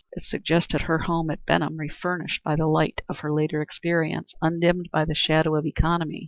It suggested her home at Benham refurnished by the light of her later experience undimmed by the shadow of economy.